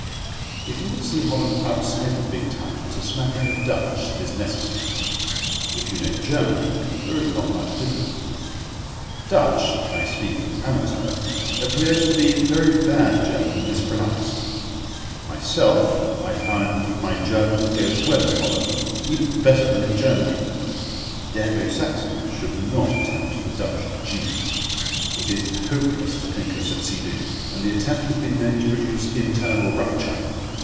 If you would see Holland outside the big towns a smattering of Dutch is necessary. If you know German there is not much difficulty. Dutch—I speak as an amateur—appears to be very bad German mis pronounced. Myself, I find my German goes well in Holland, even better than in Germany. The Anglo Saxon should not attempt the Dutch G. It is hopeless to think of succeeding, and the attempt has been known to produce internal rupture.